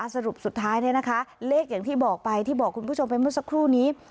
สรุปสุดท้ายเนี่ยนะคะเลขอย่างที่บอกไปที่บอกคุณผู้ชมไปเมื่อสักครู่นี้